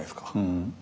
うん。